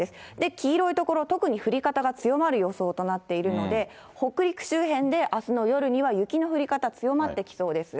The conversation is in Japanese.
黄色い所、特に降り方が強まる予想となっているので、北陸周辺であすの夜には雪の降り方強まってきそうです。